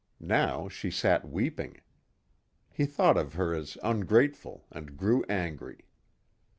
Now she sat weeping. He thought of her as ungrateful and grew angry.